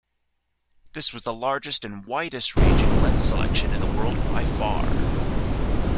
This was the largest and widest ranging lens selection in the world by far.